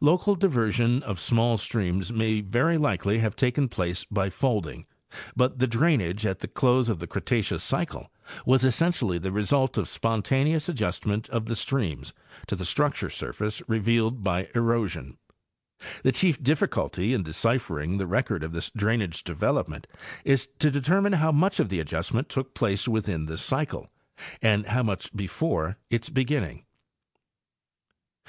Local diversion of small streams may very likely have taken place by folding, but the drainage at the close of the Cretaceous cycle was essentially the result of spontaneous ad justment of the streams to the structure surface revealed by erosion. The chief difficulty in deciphering the record of this drainage development is to determine how much of the adjust ment took place within this cycle and how much before its beginning.